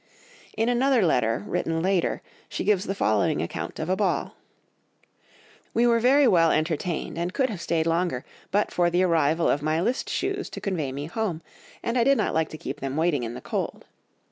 In another letter, written later, she gives the following account of a ball: "We were very well entertained, and could have stayed longer, but for the arrival of my list shoes to convey me home, and I did not like to keep them waiting in the cold.